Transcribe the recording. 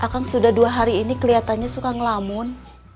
kang sudah dua hari ini kelihatannya suka ngelamun